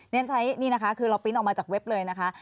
ฉันใช้นี่นะคะคือเราปริ้นต์ออกมาจากเว็บเลยนะคะ